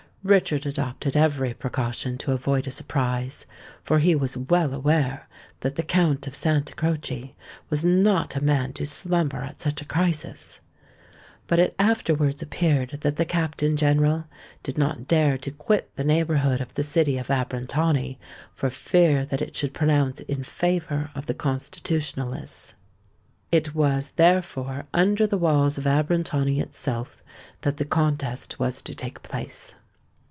Richard adopted every precaution to avoid a surprise; for he was well aware that the Count of Santa Croce was not a man to slumber at such a crisis. But it afterwards appeared that the Captain General did not dare to quit the neighbourhood of the city of Abrantani, for fear that it should pronounce in favour of the Constitutionalists. It was, therefore, under the walls of Abrantani itself that the contest was to take place.